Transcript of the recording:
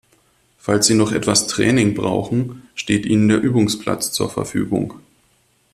Falls Sie noch etwas Training brauchen, steht Ihnen der Übungsplatz zur Verfügung.